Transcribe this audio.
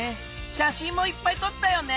しゃしんもいっぱいとったよね！